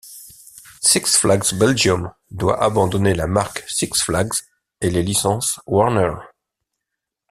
Six Flags Belgium doit abandonner la marque Six Flags et les licences Warner.